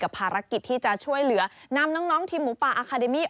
ภารกิจที่จะช่วยเหลือนำน้องทีมหมูป่าอาคาเดมี่